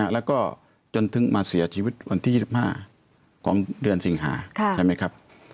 และก็จนถึงมาเสียชีวิตวันที่๒๕ของเดือนสิงหา